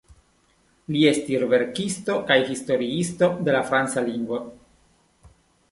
Li estis verkisto kaj historiisto de la franca lingvo.